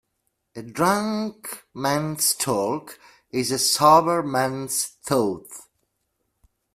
A drunk man's talk is a sober man's thought.